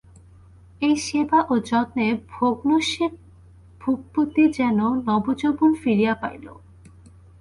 এই সেবা ও যত্নে ভগ্নশ্রী ভূপতি যেন নবযৌবন ফিরিয়া পাইল।